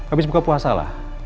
abis buka puasa lah